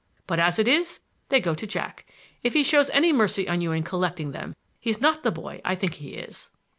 But as it is, they go to Jack. If he shows any mercy on you in collecting them he's not the boy I think he is."